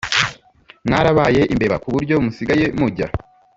mwarabaye imbeba kuburyo musigaye mujya